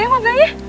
buku cugeng makanya